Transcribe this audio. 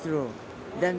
ya itu benar